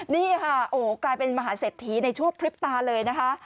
นี่ค่ะโอ้โหกลายเป็นมหาเศรษฐีในช่วงพริบตาเลยนะคะ